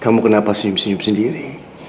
kamu kenapa senyum senyum sendiri